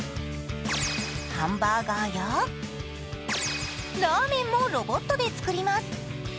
ハンバーガーやラーメンもロボットで作ります。